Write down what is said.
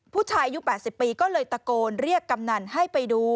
ผู้ชายอายุ๘๐ปีก็เลยตะโกนเรียกกำนันให้ไปดู